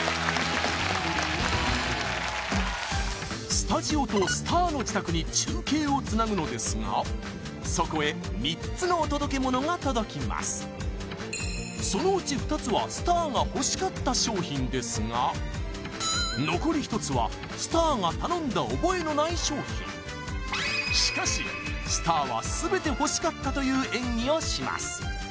スタジオとスターの自宅に中継をつなぐのですがそこへ３つのお届けものが届きますそのうち２つはスターが欲しかった商品ですが残り１つはスターが頼んだ覚えのない商品しかしスターは全て欲しかったという演技をします